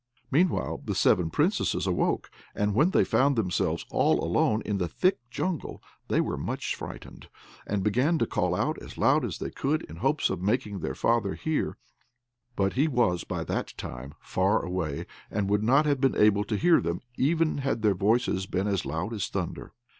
Meantime the seven Princesses awoke, and when they found themselves all alone in the thick jungle they were much frightened, and began to call out as loud as they could, in hopes of making their father hear; but he was by that time far away, and would not have been able to hear them even had their voices been as loud as thunder.